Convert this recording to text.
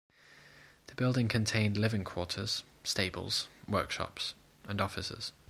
The building contained living quarters, stables, workshops, and offices.